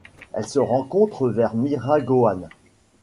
Elle se rencontre vers Miragoâne.